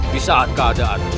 di saat keadaan bersumpah